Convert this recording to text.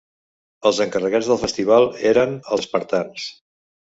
Els encarregats del festival eren els espartans.